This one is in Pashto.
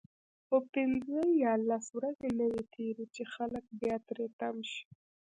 خو پنځه یا لس ورځې نه وي تیرې چې خلک بیا تری تم شي.